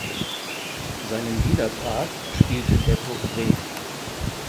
Seinen Widerpart spielte Beppo Brem.